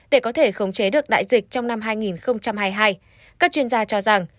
để có thể khống chế được đại dịch trong năm hai nghìn hai mươi hai các chuyên gia cho rằng